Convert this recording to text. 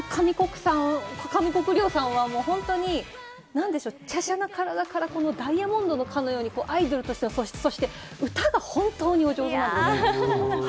上國料さんは本当に華奢な体からダイヤモンドかのようにアイドルとしての素質、歌が本当にお上手。